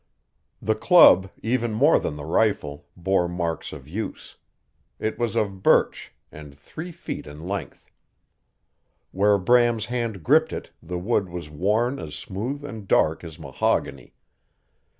The club, even more than the rifle, bore marks of use. It was of birch, and three feet in length. Where Bram's hand gripped it the wood was worn as smooth and dark as mahogany.